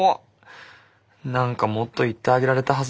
何かもっと言ってあげられたはずなのに。